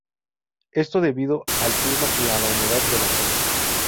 Esto debido al clima y a la humedad de la zona.